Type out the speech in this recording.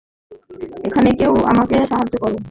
এখানে কেউ আমাকে সাহায্য করো!